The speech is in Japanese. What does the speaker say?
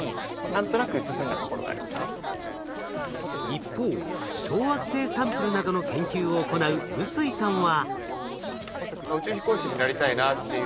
一方小惑星サンプルなどの研究を行う臼井さんは。